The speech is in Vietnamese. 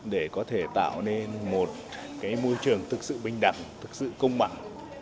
để có thể tạo nên một môi trường thực sự bình đẳng thực sự công bằng